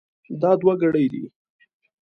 دا دوه ګړۍ دي.